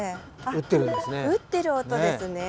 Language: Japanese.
打ってる音ですね。